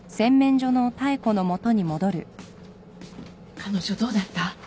彼女どうだった？